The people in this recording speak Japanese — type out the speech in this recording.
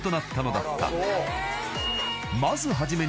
［まず初めに］